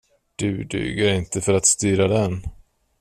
Du duger inte för att styra den.